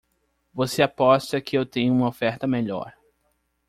Você aposta que eu tenho uma oferta melhor.